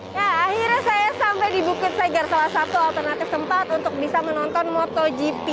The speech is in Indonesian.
nah akhirnya saya sampai di bukit seger salah satu alternatif tempat untuk bisa menonton motogp